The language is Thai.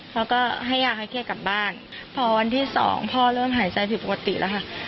เขาก็ให้ยาให้เครียดกลับบ้านพอวันที่สองพ่อเริ่มหายใจผิดปกติแล้วค่ะ